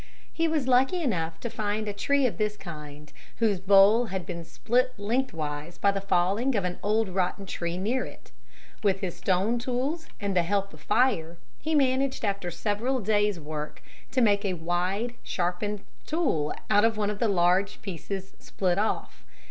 He was lucky enough to find a tree of this kind whose bole had been split lengthwise by the falling of an old rotten tree near it. With his stone tools and the help of fire he managed after several days' work to make a wide sharpened tool out of one of the large pieces split off.